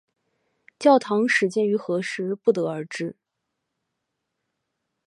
教堂始建于何时不得而知。